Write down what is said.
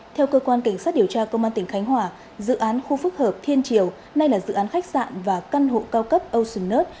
theo cơ quan cảnh sát điều tra công an tỉnh khánh hòa dự án khu phức hợp thiên triều nay là dự án khách sạn và căn hộ cao cấp ocean earth